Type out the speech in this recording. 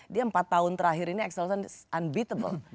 dia empat tahun terakhir ini excelsen unbeatable